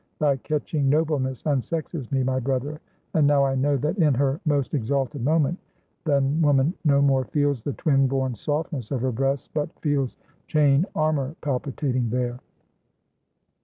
Thy catching nobleness unsexes me, my brother; and now I know that in her most exalted moment, then woman no more feels the twin born softness of her breasts, but feels chain armor palpitating there!"